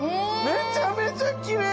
めちゃめちゃ奇麗。